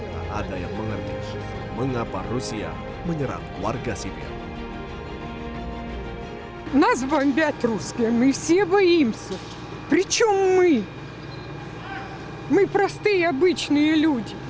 tak ada yang mengerti mengapa rusia menyerang warga sipil